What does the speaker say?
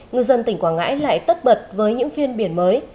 ngư dân tỉnh quảng ngãi lại tất bật với những phiên biển mới